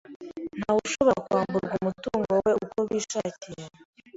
Ntawe ushobora kwamburwa umutungo we uko bishakiye.